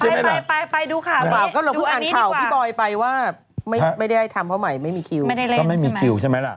ก็เราพึ่งอ่านข่าวพี่บอยไปว่าไม่ได้ทำเพราะไม่มีคิวไม่ได้เล่นใช่ไหมล่ะ